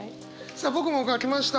さあ僕も書きました。